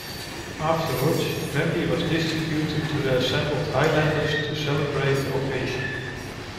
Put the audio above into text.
Afterwards brandy was distributed to the assembled highlanders to celebrate the occasion.